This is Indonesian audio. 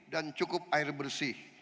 dan cukup air bersih